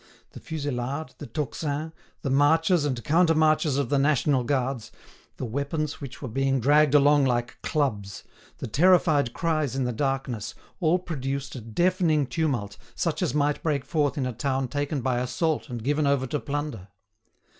The fusillade, the tocsin, the marches and countermarches of the national guards, the weapons which were being dragged along like clubs, the terrified cries in the darkness, all produced a deafening tumult, such as might break forth in a town taken by assault and given over to plunder.